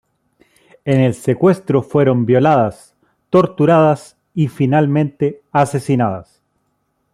En el secuestro fueron violadas, torturadas y finalmente asesinadas.